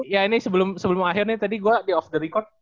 ya ini sebelum akhirnya tadi gue di off the record